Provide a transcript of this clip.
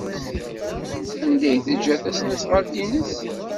Anda ay teǧǧa tasnasɣalt-nnes?